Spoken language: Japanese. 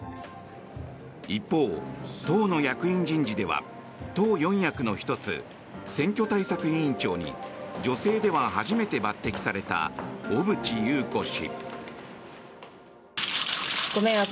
一方、党の役員人事では党四役の１つ、選挙対策委員長に女性では初めて抜てきされた小渕優子氏。